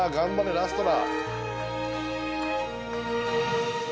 ラストだ。